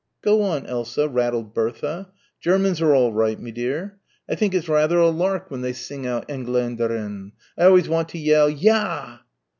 "Go on, Elsa," rattled Bertha. "Germans are all right, me dear. I think it's rather a lark when they sing out Engländerin. I always want to yell 'Ya!'"